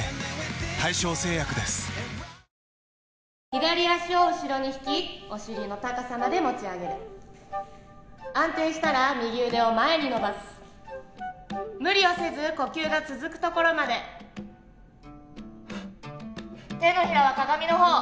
左足を後ろに引きお尻の高さまで持ち上げる安定したら右腕を前にのばす無理をせず呼吸が続くところまで手のひらは鏡のほう！